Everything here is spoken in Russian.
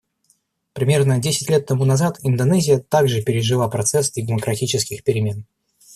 Примерно десять лет тому назад Индонезия также пережила процесс демократических перемен.